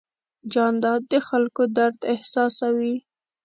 جانداد د خلکو درد احساسوي.